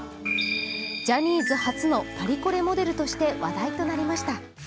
ジャニーズ初のパリコレモデルとして話題となりました。